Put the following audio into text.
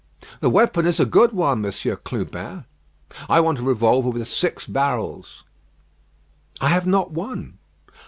"The weapon is a good one, Monsieur Clubin." "I want a revolver with six barrels." "I have not one."